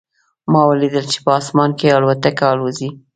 ما ولیدل چې په اسمان کې الوتکه الوزي